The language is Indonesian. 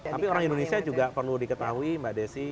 tapi orang indonesia juga perlu diketahui mbak desi